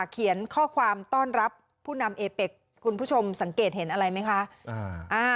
เขียนข้อความต้อนรับผู้นำเอเป็กคุณผู้ชมสังเกตเห็นอะไรไหมคะ